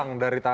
nggak ada sih